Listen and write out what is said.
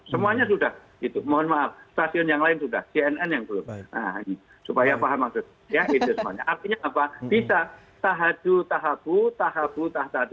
semuanya sudah itu mohon maaf stasiun yang lain sudah cnn yang dulu supaya paham maksudnya bisa